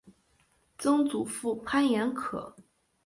曾祖父潘彦可。